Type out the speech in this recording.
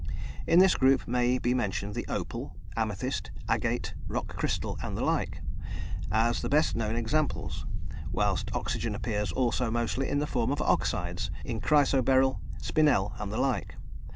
In this group may be mentioned the opal, amethyst, agate, rock crystal, and the like, as the best known examples, whilst oxygen appears also mostly in the form of oxides, in chrysoberyl, spinel, and the like.